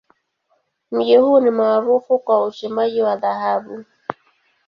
Mji huu ni maarufu kwa uchimbaji wa dhahabu.